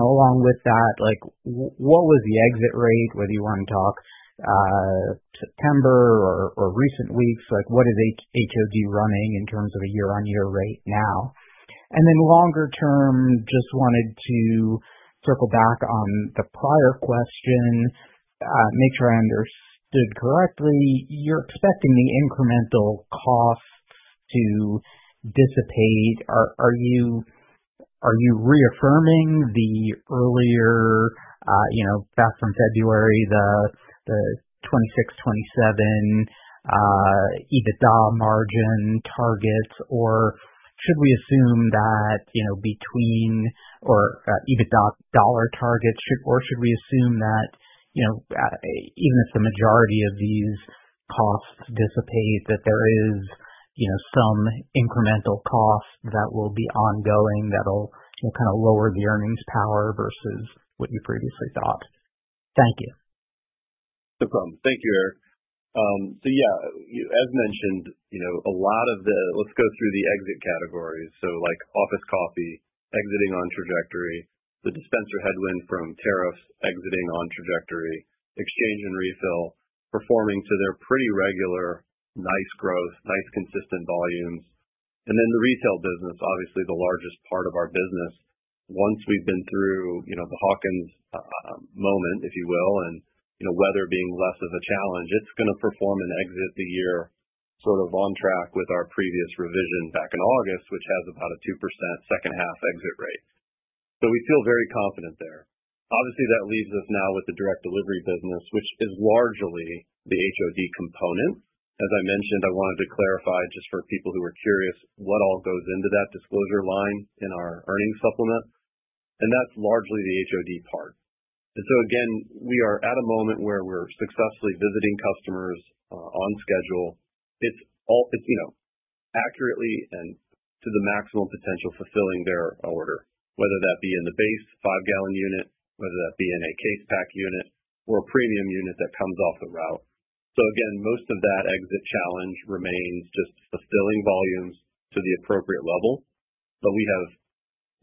along with that, what was the exit rate, whether you want to talk September or recent weeks, what is HOD running in terms of a year-on-year rate now? And then longer term, just wanted to circle back on the prior question, make sure I understood correctly. You're expecting the incremental costs to dissipate. Are you reaffirming the earlier back from February, the 26-27 EBITDA margin targets, or should we assume that between or EBITDA dollar targets, or should we assume that even if the majority of these costs dissipate, that there is some incremental cost that will be ongoing that'll kind of lower the earnings power versus what you previously thought? Thank you. No problem. Thank you, Eric. So yeah, as mentioned, a lot of the let's go through the exit categories. So like office coffee, exiting on trajectory, the dispenser headwind from tariffs, exiting on trajectory, exchange and refill, performing to their pretty regular nice growth, nice consistent volumes. And then the retail business, obviously the largest part of our business. Once we've been through the Hawkins moment, if you will, and weather being less of a challenge, it's going to perform and exit the year sort of on track with our previous revision back in August, which has about a 2% second-half exit rate. So we feel very confident there. Obviously, that leaves us now with the direct delivery business, which is largely the HOD component. As I mentioned, I wanted to clarify just for people who are curious what all goes into that disclosure line in our earnings supplement. And that's largely the HOD part. And so again, we are at a moment where we're successfully visiting customers on schedule. It's accurately and to the maximum potential fulfilling their order, whether that be in the base five-gallon unit, whether that be in a case pack unit, or a premium unit that comes off the route. So again, most of that exit challenge remains just fulfilling volumes to the appropriate level. But we have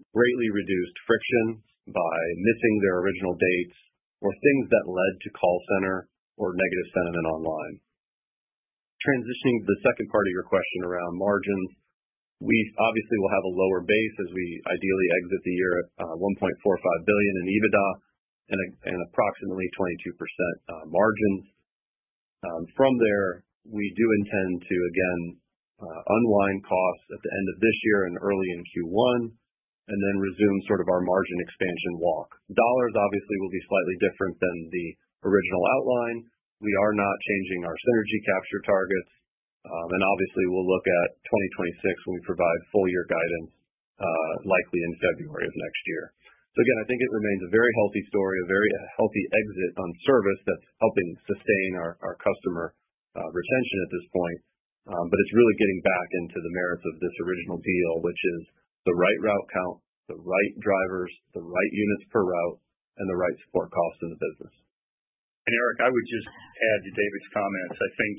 greatly reduced frictions by missing their original dates or things that led to call center or negative sentiment online. Transitioning to the second part of your question around margins, we obviously will have a lower base as we ideally exit the year at $1.45 billion in EBITDA and approximately 22% margins. From there, we do intend to, again, unwind costs at the end of this year and early in Q1, and then resume sort of our margin expansion walk. Dollars, obviously, will be slightly different than the original outline. We are not changing our synergy capture targets. And obviously, we'll look at 2026 when we provide full-year guidance, likely in February of next year. So again, I think it remains a very healthy story, a very healthy exit on service that's helping sustain our customer retention at this point. But it's really getting back into the merits of this original deal, which is the right route count, the right drivers, the right units per route, and the right support costs in the business. And Eric, I would just add to David's comments. I think,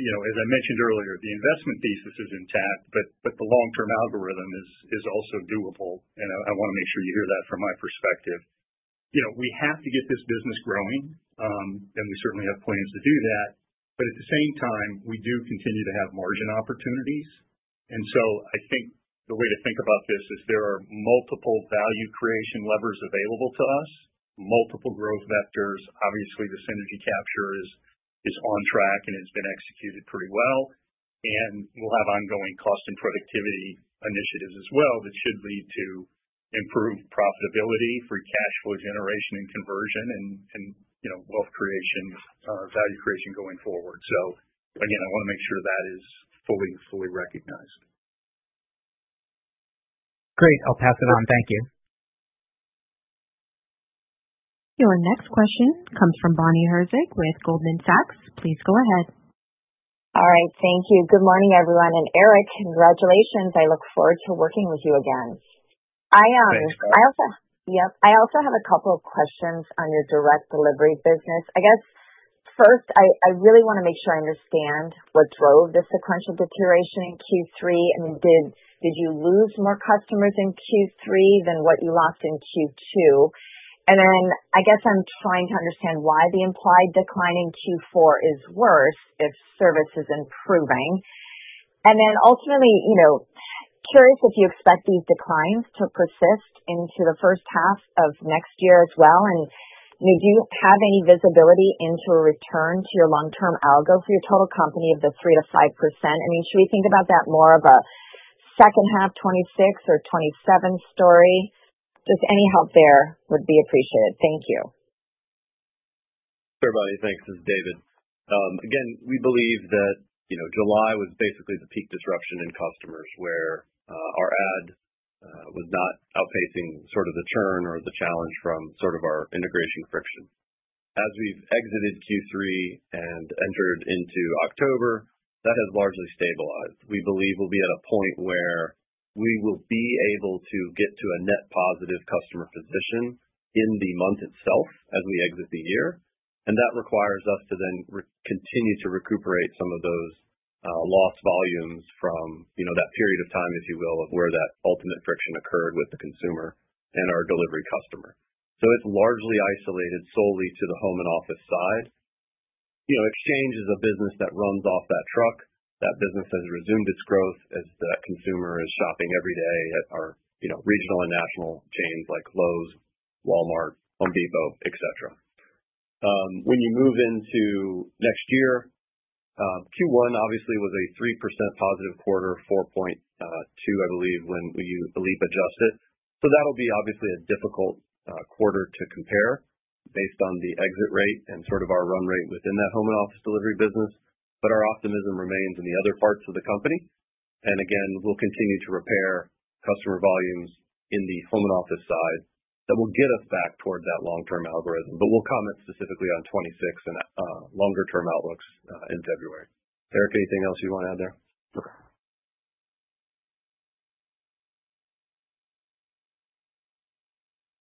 as I mentioned earlier, the investment thesis is intact, but the long-term algorithm is also doable. And I want to make sure you hear that from my perspective. We have to get this business growing, and we certainly have plans to do that. But at the same time, we do continue to have margin opportunities. And so I think the way to think about this is there are multiple value creation levers available to us, multiple growth vectors. Obviously, the synergy capture is on track and has been executed pretty well. And we'll have ongoing cost and productivity initiatives as well that should lead to improved profitability, free cash flow generation and conversion, and wealth creation, value creation going forward. So again, I want to make sure that is fully recognized. Great. I'll pass it on. Thank you. Your next question comes from Bonnie Herzog with Goldman Sachs. Please go ahead. All right. Thank you. Good morning, everyone. And Eric, congratulations. I look forward to working with you again. Thanks. Yep. I also have a couple of questions on your direct delivery business. I guess first, I really want to make sure I understand what drove the sequential deterioration in Q3. I mean, did you lose more customers in Q3 than what you lost in Q2? And then I guess I'm trying to understand why the implied decline in Q4 is worse if service is improving. And then ultimately, curious if you expect these declines to persist into the first half of next year as well. And do you have any visibility into a return to your long-term algo for your total company of the 3%-5%? I mean, should we think about that more of a second half 2026 or 2027 story? Just any help there would be appreciated. Thank you. Thanks, everybody. Thanks. This is David. Again, we believe that July was basically the peak disruption in customers where our add was not outpacing sort of the churn or the challenge from sort of our integration friction. As we've exited Q3 and entered into October, that has largely stabilized. We believe we'll be at a point where we will be able to get to a net positive customer position in the month itself as we exit the year. That requires us to then continue to recuperate some of those lost volumes from that period of time, if you will, of where that ultimate friction occurred with the consumer and our delivery customer. It's largely isolated solely to the home and office side. Exchange is a business that runs off that truck. That business has resumed its growth as the consumer is shopping every day at our regional and national chains like Lowe's, Walmart, Home Depot, etc. When you move into next year, Q1 obviously was a 3% positive quarter, 4.2, I believe, when we adjust it. So that'll be obviously a difficult quarter to compare based on the exit rate and sort of our run rate within that home and office delivery business. But our optimism remains in the other parts of the company. And again, we'll continue to repair customer volumes in the home and office side that will get us back toward that long-term algorithm. But we'll comment specifically on 2026 and longer-term outlooks in February. Eric, anything else you want to add there?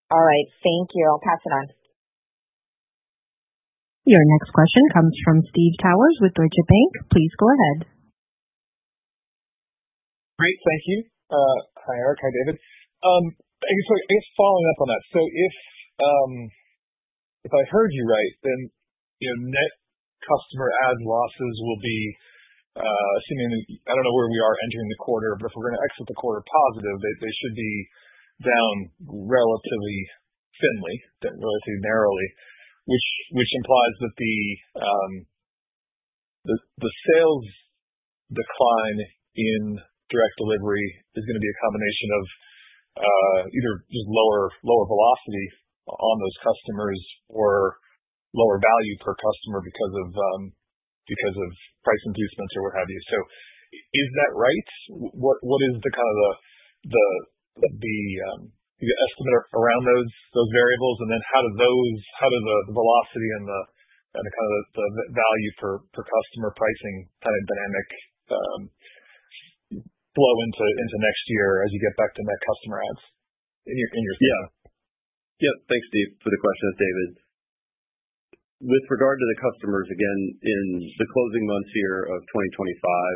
All right. Thank you. I'll pass it on. Your next question comes from Steve Powers with Deutsche Bank. Please go ahead. Great. Thank you. Hi, Eric. Hi, David. So I guess following up on that, so if I heard you right, then net customer add losses will be assuming that I don't know where we are entering the quarter, but if we're going to exit the quarter positive, they should be down relatively thinly, relatively narrowly, which implies that the sales decline in direct delivery is going to be a combination of either just lower velocity on those customers or lower value per customer because of price improvements or what have you. So is that right? What is the kind of estimate around those variables? And then how does the velocity and the kind of value for customer pricing kind of dynamic flow into next year as you get back to net customer adds in your thinking? Yeah. Yep. Thanks, Steve, for the question, David. With regard to the customers, again, in the closing months here of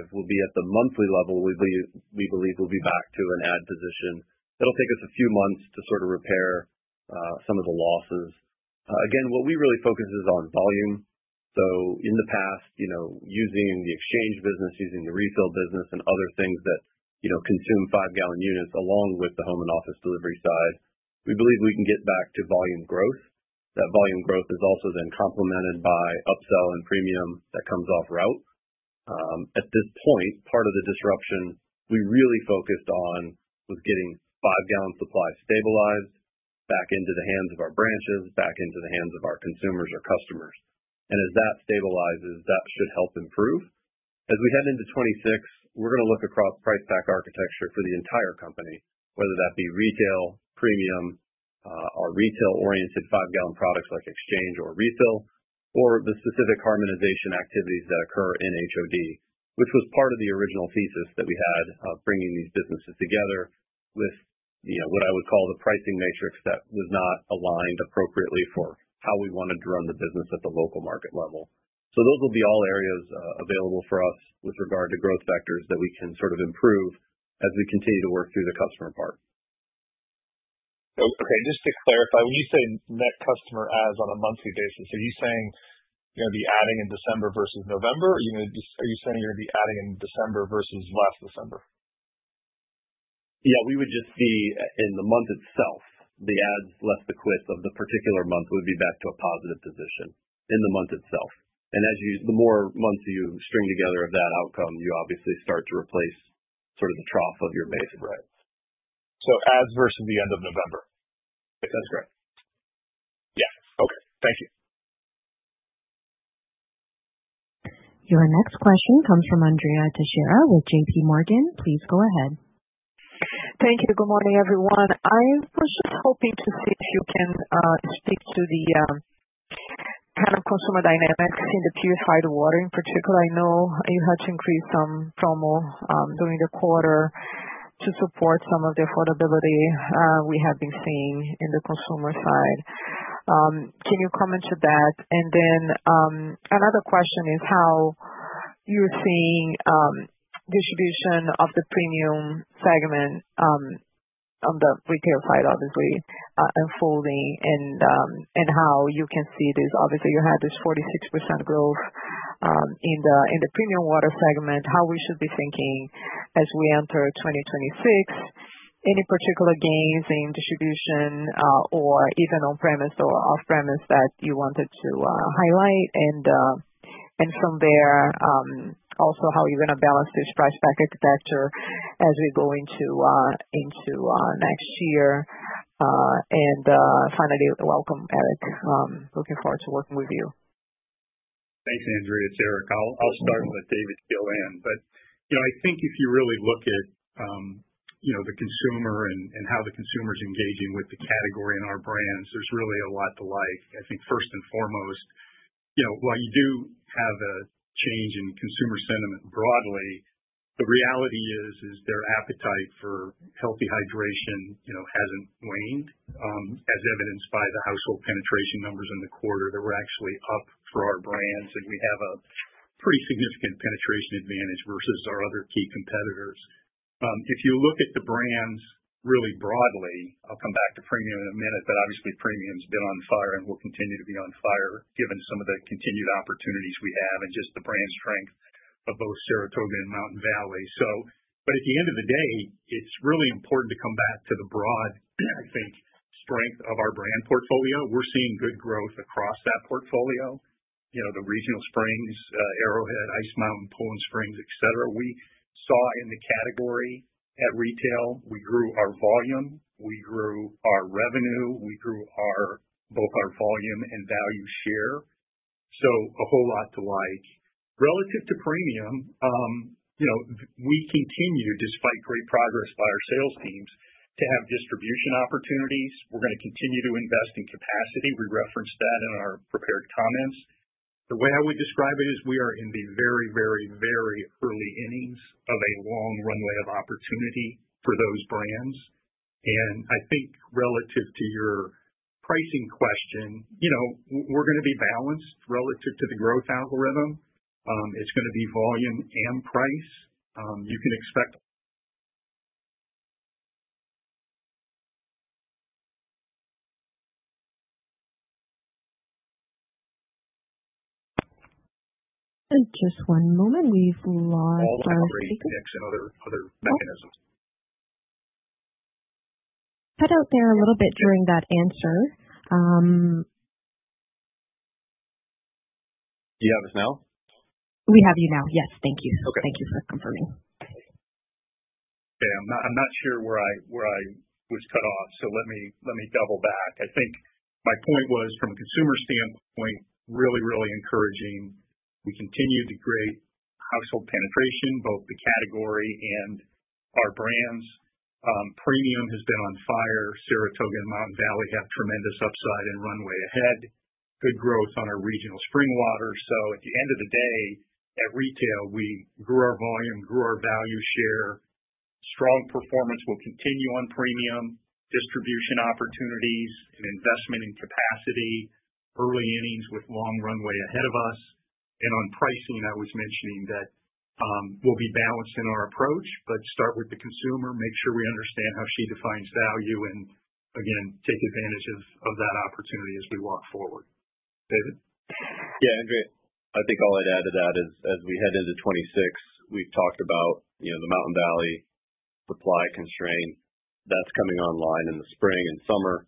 2025, we'll be at the monthly level. We believe we'll be back to an add position. It'll take us a few months to sort of repair some of the losses. Again, what we really focus is on volume. So in the past, using the exchange business, using the refill business, and other things that consume five-gallon units along with the home and office delivery side, we believe we can get back to volume growth. That volume growth is also then complemented by upsell and premium that comes off route. At this point, part of the disruption we really focused on was getting five-gallon supply stabilized back into the hands of our branches, back into the hands of our consumers or customers, and as that stabilizes, that should help improve. As we head into 2026, we're going to look across price pack architecture for the entire company, whether that be retail, premium, our retail-oriented five-gallon products like exchange or refill, or the specific harmonization activities that occur in HOD, which was part of the original thesis that we had of bringing these businesses together with what I would call the pricing matrix that was not aligned appropriately for how we wanted to run the business at the local market level. So those will be all areas available for us with regard to growth vectors that we can sort of improve as we continue to work through the customer part. Okay. Just to clarify, when you say net customer adds on a monthly basis, are you saying you're going to be adding in December versus November? Are you saying you're going to be adding in December versus last December? Yeah. We would just be in the month itself. The days left in the queue of the particular month would be back to a positive position in the month itself. And the more months you string together of that outcome, you obviously start to replace sort of the trough of your base of routes. So as of the end of November. That's correct. Yeah. Okay. Thank you. Your next question comes from Andrea Teixeira with JPMorgan. Please go ahead. Thank you. Good morning, everyone. I was just hoping to see if you can speak to the kind of consumer dynamics in the purified water in particular. I know you had to increase some promo during the quarter to support some of the affordability we have been seeing in the consumer side. Can you comment to that? And then another question is how you're seeing distribution of the premium segment on the retail side, obviously, unfolding and how you can see this. Obviously, you had this 46% growth in the premium water segment. How should we be thinking as we enter 2026? Any particular gains in distribution or even on-premise or off-premise that you wanted to highlight? And from there, also how you're going to balance this price pack architecture as we go into next year. And finally, welcome, Eric. Looking forward to working with you. Thanks, Andrea. It's Eric. I'll start with David to go in. But I think if you really look at the consumer and how the consumer's engaging with the category and our brands, there's really a lot to like. I think first and foremost, while you do have a change in consumer sentiment broadly, the reality is their appetite for healthy hydration hasn't waned, as evidenced by the household penetration numbers in the quarter that we're actually up for our brands, and we have a pretty significant penetration advantage versus our other key competitors. If you look at the brands really broadly, I'll come back to premium in a minute, but obviously, premium's been on fire and will continue to be on fire given some of the continued opportunities we have and just the brand strength of both Saratoga and Mountain Valley, but at the end of the day, it's really important to come back to the broad, I think, strength of our brand portfolio. We're seeing good growth across that portfolio. The regional springs Arrowhead, Ice Mountain, Poland Spring, etc. We saw in the category at retail, we grew our volume, we grew our revenue, we grew both our volume and value share. So a whole lot to like. Relative to premium, we continue, despite great progress by our sales teams, to have distribution opportunities. We're going to continue to invest in capacity. We referenced that in our prepared comments. The way I would describe it is we are in the very, very, very early innings of a long runway of opportunity for those brands, and I think relative to your pricing question, we're going to be balanced relative to the growth algorithm. It's going to be volume and price. You can expect. Just one moment. We've lost our speaker. Volume and price and mix and other mechanisms. Cut out there a little bit during that answer. Do you have us now? We have you now. Yes. Thank you. Thank you for confirming. Okay. I'm not sure where I was cut off, so let me double back. I think my point was, from a consumer standpoint, really, really encouraging. We continue to create household penetration, both the category and our brands. Premium has been on fire. Saratoga and Mountain Valley have tremendous upside and runway ahead. Good growth on our regional spring water. So at the end of the day, at retail, we grew our volume, grew our value share. Strong performance will continue on premium, distribution opportunities, and investment in capacity. Early innings with long runway ahead of us. And on pricing, I was mentioning that we'll be balanced in our approach, but start with the consumer, make sure we understand how she defines value, and again, take advantage of that opportunity as we walk forward. David? Yeah, Andrea. I think all I'd add to that is as we head into 2026, we've talked about the Mountain Valley supply constraint. That's coming online in the spring and summer.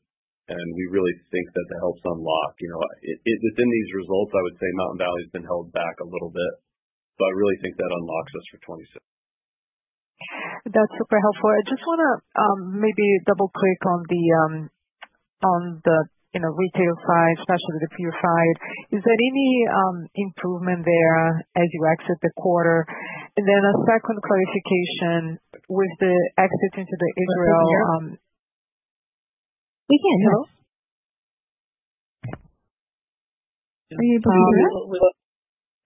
We really think that that helps unlock. Within these results, I would say Mountain Valley has been held back a little bit. I really think that unlocks us for 2026. That's super helpful. I just want to maybe double-click on the retail side, especially the purified. Is there any improvement there as you exit the quarter? Then a second clarification with the exit into Israel. We can hear you. Are you able to hear us?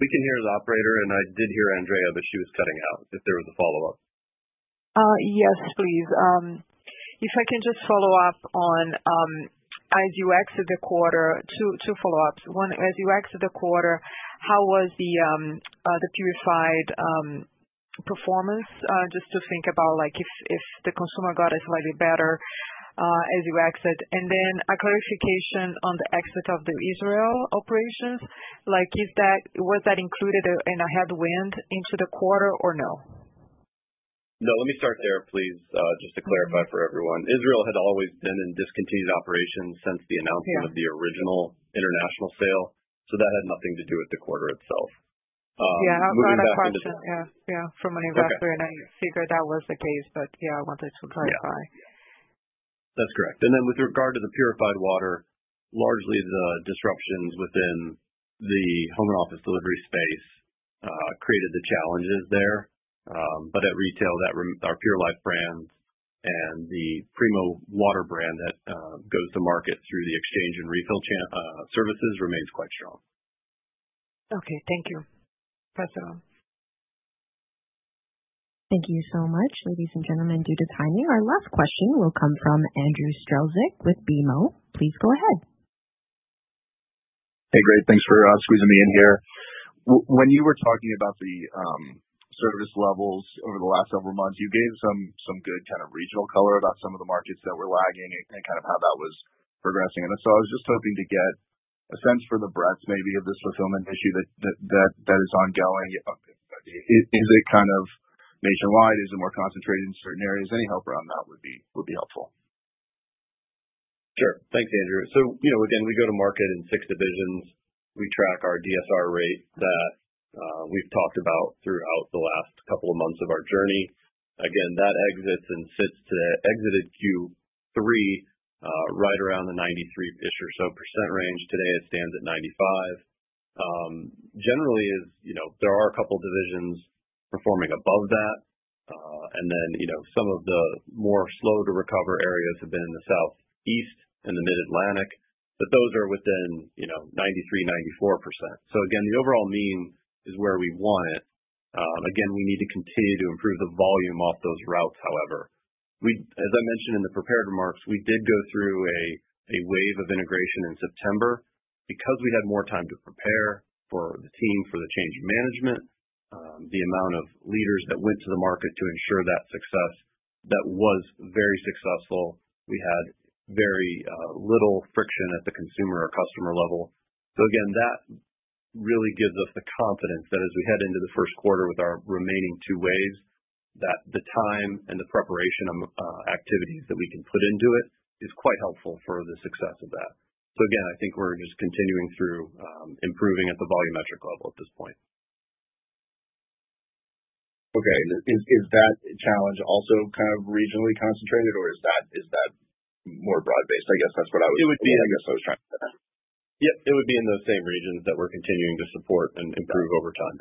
We can hear the operator, and I did hear Andrea, but she was cutting out if there was a follow-up. Yes, please. If I can just follow up on, as you exit the quarter, two follow-ups. One, as you exit the quarter, how was the purified performance? Just to think about if the consumer got a slightly better as you exit. And then a clarification on the exit of the Israel operations. Was that included in a headwind into the quarter or no? No, let me start there, please, just to clarify for everyone. Israel had always been in discontinued operations since the announcement of the original international sale. So that had nothing to do with the quarter itself. Yeah. I'll pass it on. Yeah. Yeah. From an investor and a speaker, that was the case. But yeah, I wanted to clarify. Yeah. That's correct. And then with regard to the purified water, largely the disruptions within the home and office delivery space created the challenges there. But at retail, our Pure Life brand and the Primo Water brand that goes to market through the exchange and refill services remains quite strong. Okay. Thank you, operator. Thank you so much, ladies and gentlemen, due to timing. Our last question will come from Andrew Strelzik with BMO. Please go ahead. Hey, great. Thanks for squeezing me in here. When you were talking about the service levels over the last several months, you gave some good kind of regional color about some of the markets that were lagging and kind of how that was progressing. And so I was just hoping to get a sense for the breadth maybe of this fulfillment issue that is ongoing. Is it kind of nationwide? Is it more concentrated in certain areas? Any help around that would be helpful. Sure. Thanks, Andrea. So again, we go to market in six divisions. We track our DSR rate that we've talked about throughout the last couple of months of our journey. Again, that exits and sits today, exited Q3 right around the 93s or so percentage range. Today, it stands at 95%. Generally, there are a couple of divisions performing above that, and then some of the more slow-to-recover areas have been in the Southeast and the mid-Atlantic, but those are within 93% to 94%, so again, the overall mean is where we want it. Again, we need to continue to improve the volume off those routes, however. As I mentioned in the prepared remarks, we did go through a wave of integration in September. Because we had more time to prepare for the team, for the change management, the amount of leaders that went to the market to ensure that success, that was very successful. We had very little friction at the consumer or customer level. So again, that really gives us the confidence that as we head into the Q1 with our remaining two waves, that the time and the preparation activities that we can put into it is quite helpful for the success of that. So again, I think we're just continuing through improving at the volumetric level at this point. Okay. And is that challenge also kind of regionally concentrated, or is that more broad-based? I guess that's what I was trying to say. It would be in those same regions that we're continuing to support and improve over time.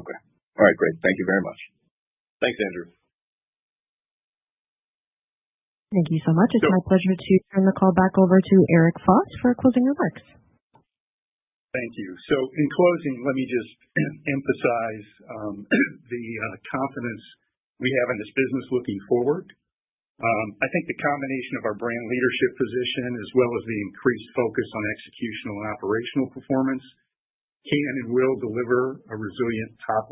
Okay. All right. Great. Thank you very much. Thanks, Andrew. Thank you so much. It's my pleasure to turn the call back over to Eric Foss for closing remarks. Thank you.In closing, let me just emphasize the confidence we have in this business looking forward. I think the combination of our brand leadership position as well as the increased focus on executional and operational performance can and will deliver a resilient top.